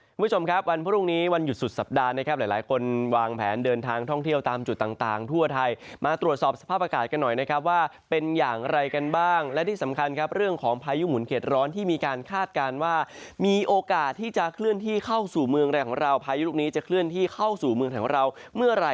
คุณผู้ชมครับวันพรุ่งนี้วันหยุดสุดสัปดาห์นะครับหลายคนวางแผนเดินทางท่องเที่ยวตามจุดต่างทั่วไทยมาตรวจสอบสภาพอากาศกันหน่อยนะครับว่าเป็นอย่างไรกันบ้างและที่สำคัญครับเรื่องของพายุหมุนเข็ดร้อนที่มีการคาดการณ์ว่ามีโอกาสที่จะเคลื่อนที่เข้าสู่เมืองแรงของเราพายุลูกนี้จะเคลื่อนที่เข้าสู่เมืองของเราเมื่อไหร่